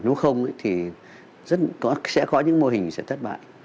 nếu không thì rất có những mô hình sẽ thất bại